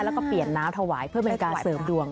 แล้วก็เปลี่ยนน้ำถวายเพื่อเป็นการเสริมดวง